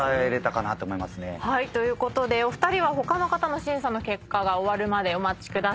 ということでお二人は他の方の審査の結果が終わるまでお待ちください。